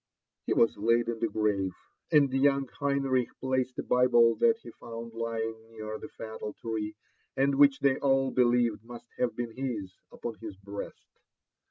He was laid in the grave ; and young Henrich placed a Bible that he found lying near the fatal tree, and which they all believed must have been his, upon his breast.